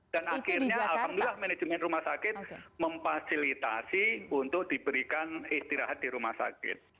dan akhirnya alhamdulillah manajemen rumah sakit memfasilitasi untuk diberikan istirahat di rumah sakit